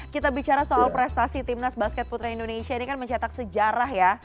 kita bicara soal prestasi timnas basket putra indonesia ini kan mencetak sejarah ya